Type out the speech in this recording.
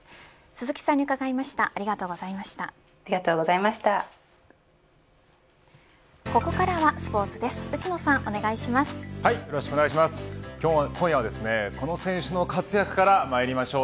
鈴木さんに伺いました。